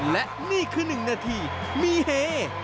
และนี่คือ๑นาทีมีเฮ